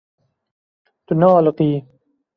Tu nealiqiyî.